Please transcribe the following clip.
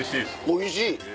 おいしい！